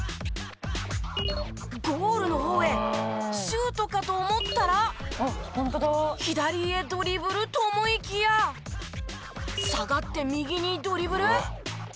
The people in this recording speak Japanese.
ゴールの方へシュートかと思ったら左へドリブルと思いきや下がって右にドリブル？